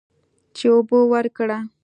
چې اوبه ورکړه.